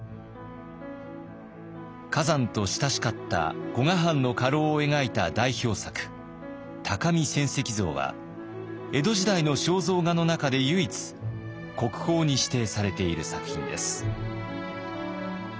崋山と親しかった古河藩の家老を描いた代表作「鷹見泉石像」は江戸時代の肖像画の中で唯一国宝に指定されている作品です。